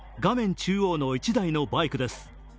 中央の１台のバイクです。